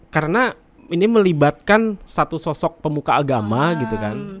karena ini melibatkan satu sosok pemuka agama gitu kan